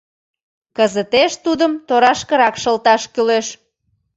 Кызытеш тудым торашкырак шылташ кӱлеш.